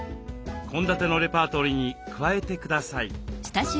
献立のレパートリーに加えてください。